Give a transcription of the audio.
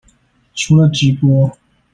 除了直播